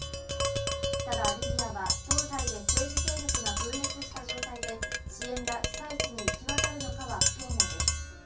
ただ、リビアは東西で政治勢力が分裂した状態で支援が被災地に行き渡るのかは不透明です。